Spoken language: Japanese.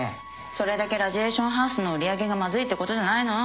それだけラジエーションハウスの売り上げがまずいってことじゃないの？